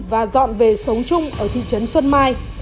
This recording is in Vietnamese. và dọn về sống chung ở thị trấn xuân mai